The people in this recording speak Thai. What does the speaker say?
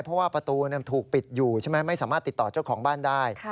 เพราะว่าประตูถูกปิดอยู่ใช่ไหมไม่สามารถติดต่อเจ้าของบ้านได้